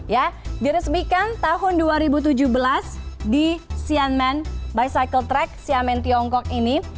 ya diresmikan tahun dua ribu tujuh belas di cnn bicycle track siamen tiongkok ini